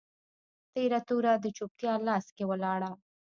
تیره توره د چوپتیا لاس کي ولاړه